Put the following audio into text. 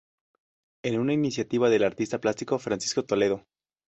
Es una iniciativa del artista plástico Francisco Toledo.